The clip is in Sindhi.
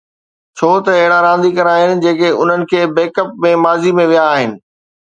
ڇو ته اهڙا رانديگر آهن جيڪي انهن کي بيڪ اپ ۾ ماضي ۾ ويا آهن